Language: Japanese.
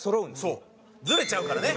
そうずれちゃうからね。